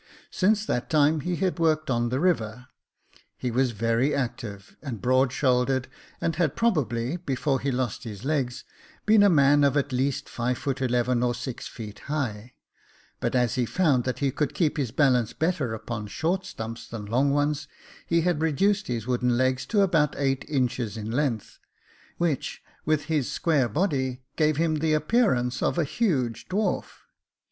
Since that time he had worked on the river. He 70 Jacob Faithful was very active, and broad shouldered, and had probably, before he lost his legs, been a man of at least five feet eleven or six feet high ; but, as he found that he could keep his balance better upon short stumps than long ones, he had reduced his wooden legs to about eight inches in length, which, with his square body, gave him the appear ance of a huge dwarf.